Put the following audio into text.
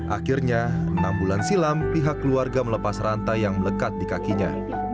akhirnya enam bulan silam pihak keluarga melepas rantai yang melekat di kakinya